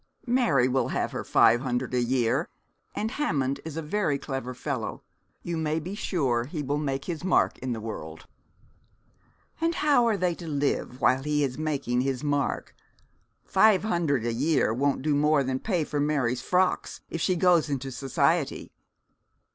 'Mary will have her five hundred a year. And Hammond is a very clever fellow. You may be sure he will make his mark in the world.' 'And how are they to live while he is making his mark? Five hundred a year won't do more than pay for Mary's frocks, if she goes into society.'